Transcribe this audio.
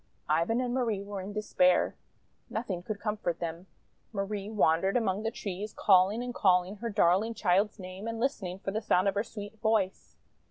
Ivan and Marie were in despair. Nothing could comfort them. Marie wandered among the trees, calling and calling her darling child's name and listening for the sound of her sweet voice.